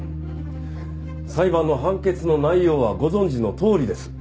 裁判の判決の内容はご存じのとおりです。